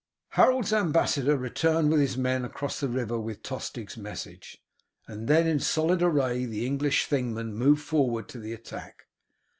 Harold's ambassador returned with his men across the river with Tostig's message, and then in solid array the English Thingmen moved forward to the attack.